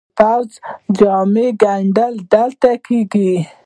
د پوځي جامو ګنډل دلته کیږي؟